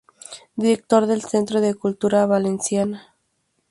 Director del Centro de Cultura Valenciana.